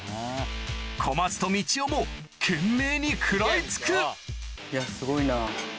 小松とみちおも懸命に食らいつくいやすごいな。